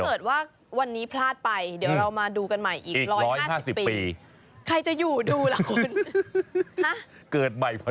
ว่าวันนี้พลาดไปเดี๋ยวเรามาดูกันใหม่